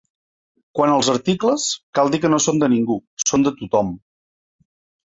Quant als articles, cal dir que no són de ningú, són de tothom.